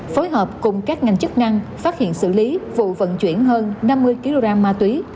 phối hợp cùng các ngành chức năng phát hiện xử lý vụ vận chuyển hơn năm mươi kg ma túy